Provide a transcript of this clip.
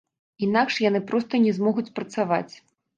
Інакш яны проста не змогуць працаваць.